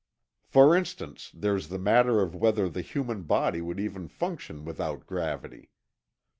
"For instance, there's the matter of whether the human body would even function without gravity.